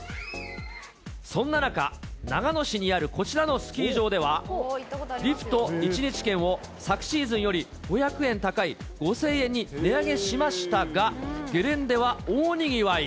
そんな中、長野市にあるこちらのスキー場では、リフト１日券を昨シーズンより５００円高い５０００円に値上げしましたが、ゲレンデは大にぎわい。